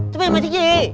thế mày mà thích gì